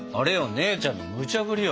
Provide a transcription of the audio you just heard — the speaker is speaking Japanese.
姉ちゃんのむちゃぶりよ